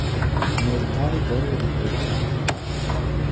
Ne ricavi quello di Beltrami.